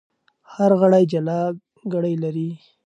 هر غړی جلا ګړۍ لري.